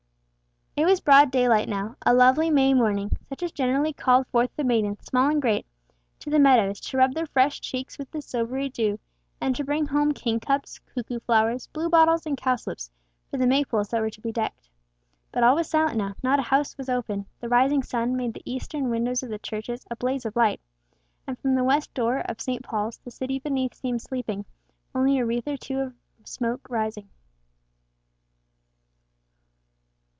It was broad daylight now, a lovely May morning, such as generally called forth the maidens, small and great, to the meadows to rub their fresh cheeks with the silvery dew, and to bring home kingcups, cuckoo flowers, blue bottles, and cowslips for the Maypoles that were to be decked. But all was silent now, not a house was open, the rising sun made the eastern windows of the churches a blaze of light, and from the west door of St. Paul's the city beneath seemed sleeping, only a wreath or two of smoke rising.